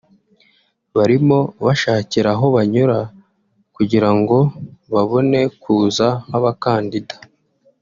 barimo bashakisha aho banyura kugira ngo babone kuza nk’abakandida